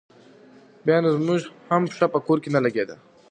بیا نو زموږ هم پښه په کور نه لګېده.